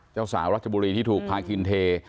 เจ้าสาวรัชบุรีที่ถูกพากินเท